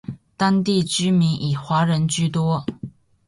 当地居民以华人居多。